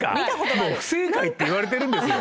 もう不正解って言われてるんですよ。